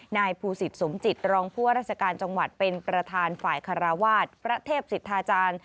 นายภูสิตสมจิตรองผู้ว่าราชการจังหวัดเป็นประธานฝ่ายคาราวาสพระเทพศิษฐาจารย์